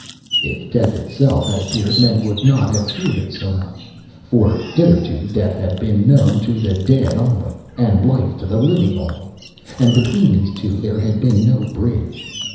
If death itself had appeared men would not have feared it so much; for hitherto death had been known to the dead only, and life to the living only, and between these two there had been no bridge.